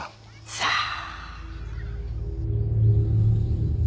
さあ。